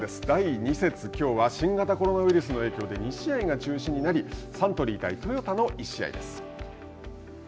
第２節きょうは新型コロナウイルスの影響で２試合が中止になりサントリー対トヨタの１試合です。